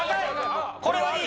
これはいい！